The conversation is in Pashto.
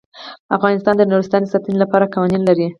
افغانستان د نورستان د ساتنې لپاره قوانین لري.